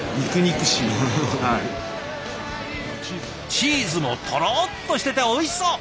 チーズもとろっとしてておいしそう！